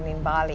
bahkan di bali